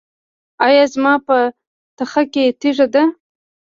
ایا زما په تخه کې تیږه ده؟